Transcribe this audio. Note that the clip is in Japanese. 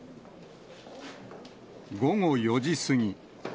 午後４時過ぎ。